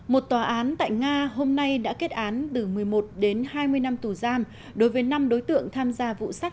một tòa án tại nga hôm nay đã kết án từ một mươi một đến hai mươi năm tù giam đối với năm đối tượng tham gia vụ sát